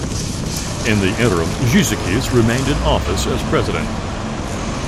In the interim, Gizikis, remained in office as President.